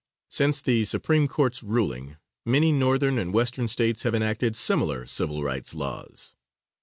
Since the Supreme Court's ruling, many Northern and Western States have enacted similar civil rights laws.